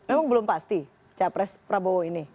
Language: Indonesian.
emang belum pasti cawapres prabowo ini